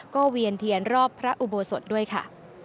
ก็เวียนเทียนรอบพระอุโบสถด้วยค่ะ